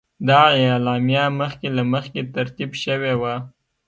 دا اعلامیه مخکې له مخکې ترتیب شوې وه.